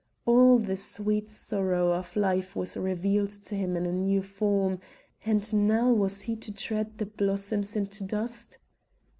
All the "sweet sorrow" of life was revealed to him in a new form ... And now was he to tread the blossoms into dust?